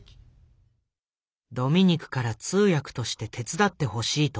ドミニクから通訳として手伝ってほしいと頼まれた寺田。